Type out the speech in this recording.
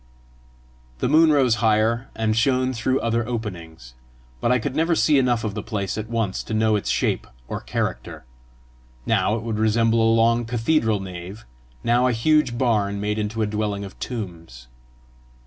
The moon rose higher, and shone through other openings, but I could never see enough of the place at once to know its shape or character; now it would resemble a long cathedral nave, now a huge barn made into a dwelling of tombs.